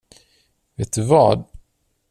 Vet du vad?